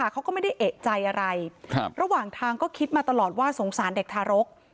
เขาก็ไม่ได้เอกใจอะไรระหว่างทางก็คิดมาตลอดว่าสงสารเด็กทารก